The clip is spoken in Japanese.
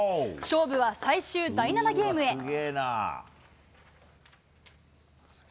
勝負は最終第７ゲームへ。